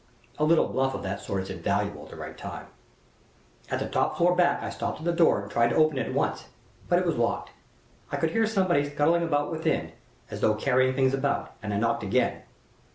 A little bluff of that sort is invaluable at the right time. At the top floor back I stopped at the door and tried to open it at once, but it was locked. I could hear somebody scuttling about within, as though carrying things about, and I knocked again.